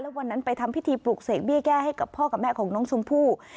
วันนั้นไปทำพิธีปลุกเสกเบี้ยแก้ให้กับพ่อกับแม่ของน้องชมพู่